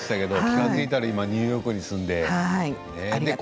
気が付いたら、今ニューヨークに住んでね。